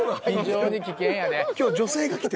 非常に危険やね。